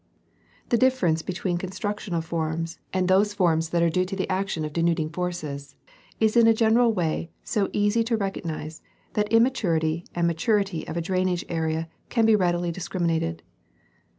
The differ ence between constructional forms and those forms that are due to the action of denuding forces is in a general way so easily recognized, that immaturity and maturity of a drainage area cais be readily discriminated.